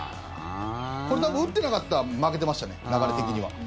これ多分、打ってなかったら負けてましたね、流れ的には。